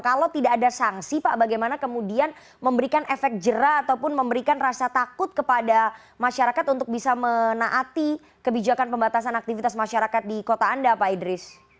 kalau tidak ada sanksi pak bagaimana kemudian memberikan efek jerah ataupun memberikan rasa takut kepada masyarakat untuk bisa menaati kebijakan pembatasan aktivitas masyarakat di kota anda pak idris